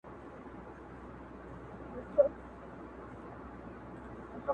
چي له مېړونو مېنه خالي سي -